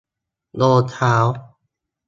รองเท้า